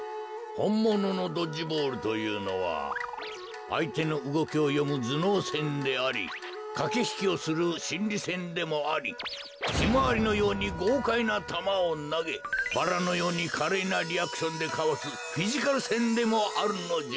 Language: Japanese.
ほんもののドッジボールというのはあいてのうごきをよむずのうせんでありかけひきをするしんりせんでもありヒマワリのようにごうかいなたまをなげバラのようにかれいなリアクションでかわすフィジカルせんでもあるのじゃ。